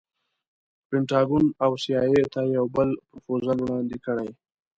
پنټاګون او سي ای اې ته یو بل پروفوزل وړاندې کړي.